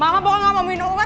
mama bukan gak mau minum obat